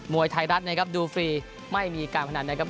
วยไทยรัฐนะครับดูฟรีไม่มีการพนันนะครับ